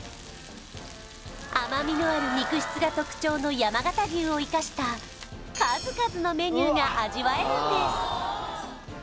甘みのある肉質が特徴の山形牛を生かした数々のメニューが味わえるんです